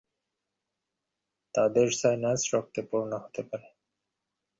তাদের সাইনাস রক্তে পূর্ণ হতে পারে।